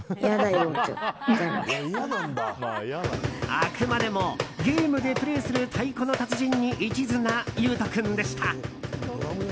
あくまでもゲームでプレーする「太鼓の達人」に一途な勇翔君でした。